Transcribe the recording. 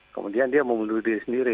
kemudian dia membunuh diri sendiri